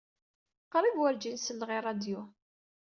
Qrib werjin selleɣ i ṛṛadyu.